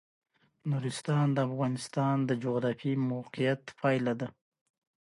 نورستان د افغانستان د جغرافیایي موقیعت پایله ده.